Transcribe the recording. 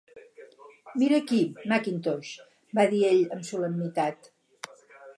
"Mira aquí, Mackintosh", va dir ell amb solemnitat.